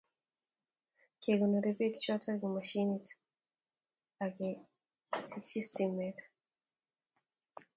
Kekonori pek choto eng mashinit ake asikosich stimet